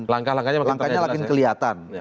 langkah langkahnya makin kelihatan